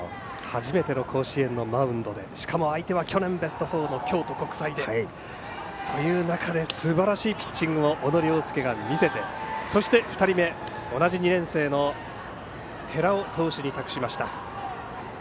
初めての甲子園のマウンドでしかも相手は去年ベスト４の京都国際という中ですばらしいピッチングを小野涼介が見せてそして２人目、同じ２年生の寺尾投手に託しました。